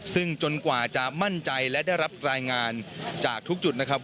ซึ่งจนกว่าจะมั่นใจและได้รับรายงานจากทุกจุดนะครับ